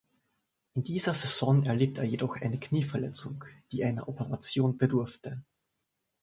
In dieser Saison erlitt er jedoch eine Knieverletzung, die einer Operation bedurfte.